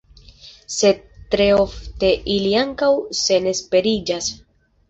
Sed tre ofte ili ankaŭ senesperiĝas.